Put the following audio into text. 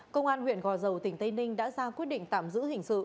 công an huyện gò dầu tỉnh tây ninh đã ra quyết định tạm giữ hình sự